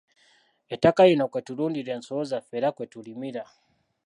Ettaka lino kwe tulundira ensolo zaffe era kwe tulimira.